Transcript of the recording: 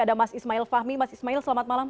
ada mas ismail fahmi mas ismail selamat malam